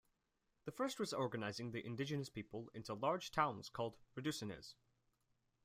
The first was organizing the indigenous peoples into large towns called "reducciones".